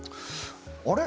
あれ？